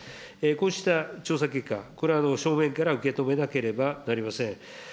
こうした調査結果、これは正面から受け止めなければなりません。